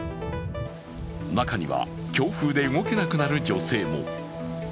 中には強風で動けなくなる女性も。